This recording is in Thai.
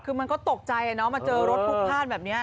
คือมันก็ตกใจมาเจอรถพลุกพลาดแบบนี้